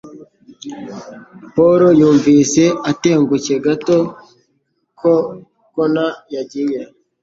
Paul yumvise atengushye gato ko Connor yagiye.